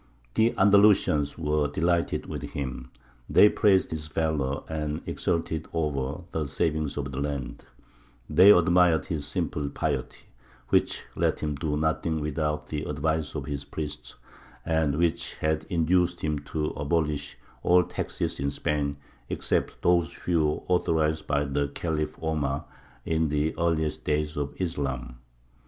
The Andalusians were delighted with him; they praised his valour and exulted over the saving of the land; they admired his simple piety, which let him do nothing without the advice of his priests, and which had induced him to abolish all taxes in Spain except those few authorized by the Khalif Omar in the earliest days of Islam.